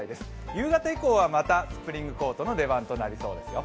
夕方以降は、またスプリングコートの出番となりそうですよ。